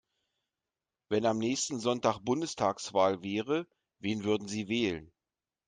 Wenn am nächsten Sonntag Bundestagswahl wäre, wen würden Sie wählen?